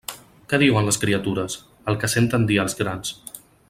Què diuen les criatures? El que senten dir als grans.